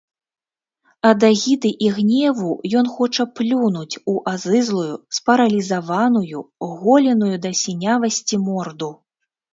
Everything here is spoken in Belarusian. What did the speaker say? Ад агіды і гневу ён хоча плюнуць у азызлую, спаралізаваную, голеную да сінявасці морду.